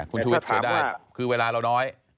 คุณชวิตเฉยได้คือเวลาเราน้อย